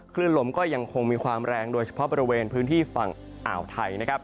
คลื่นลมก็ยังคงมีความแรงโดยเฉพาะบริเวณพื้นที่ฝั่งอ่าวไทยนะครับ